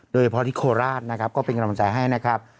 โดยเฉพาะที่โคราชนะครับก็เป็นกำลังใจให้นะครับ